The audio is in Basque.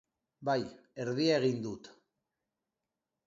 Bai, erdia egin dut.